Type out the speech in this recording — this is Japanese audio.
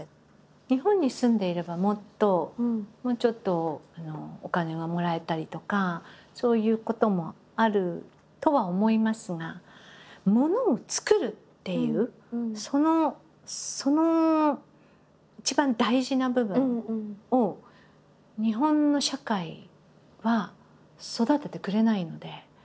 日本に住んでいればもっともうちょっとお金がもらえたりとかそういうこともあるとは思いますがものを作るっていうその一番大事な部分を日本の社会は育ててくれないので。